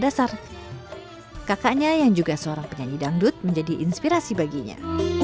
kekaknya yang juga seorang penyanyi dangdut menjadi inspirasi baginya